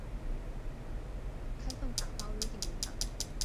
开放打包约定文档。